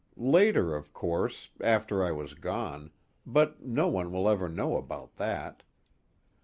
Later of course, after I was gone but no one will ever know about that.